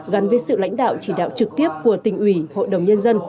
gắn với sự lãnh đạo chỉ đạo trực tiếp của tỉnh ủy hội đồng nhân dân